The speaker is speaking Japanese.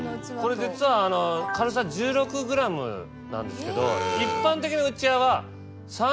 これ実は軽さ１６ｇなんですけど一般的なうちわは３０ｇ。